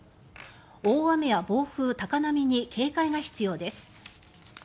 大雨や暴風、高波に警戒が必要です。